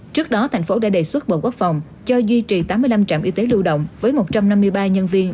trước đó thành phố đã đề xuất bộ quốc phòng cho duy trì tám mươi năm trạm y tế lưu động với một trăm năm mươi ba nhân viên